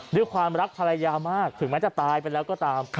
ด้วยความรักภรรยามากถึงแม้จะตายไปแล้วก็ตาม